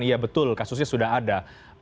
iya betul kasusnya sudah ada